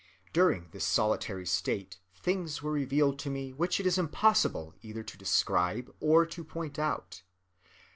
During this solitary state things were revealed to me which it is impossible either to describe or to point out.